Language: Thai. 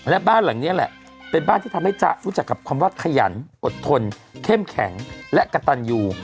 และบ้านหลังนี้แหละเป็นบ้านที่ทำให้จ๊ะรู้จักกับคำว่าขยันอดทนเข้มแข็งและกระตันอยู่